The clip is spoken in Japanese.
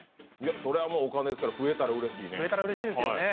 それはもう、お金ですから増えたらうれしいね。